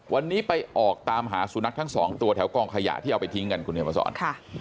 วันนี้ไปออกตามหาสุนัขทั้งสองตัวแถวกองขยะที่เอาไปทิ้งกันคุณเห็นมาสอน